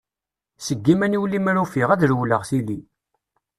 Seg iman-iw lemmer i ufiɣ, ad d-rewleɣ tili.